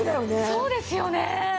そうですよね！